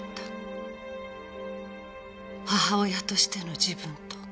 母親としての自分と。